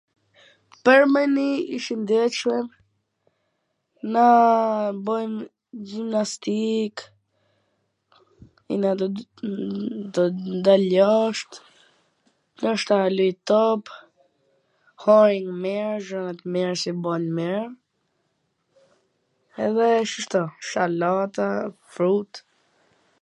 Pwr me ni i shindetshwm, na bwjm gjimnastik, do dal jasht, ndoshta luj top, hajm mir, gjona t mira si bojn mir, edhe shishto, shalata, frut...